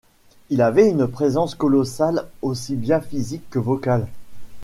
Il avait une présence colossale, aussi bien physique que vocale.